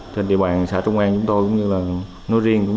trên địa bàn xã trung an chúng tôi cũng như là nói riêng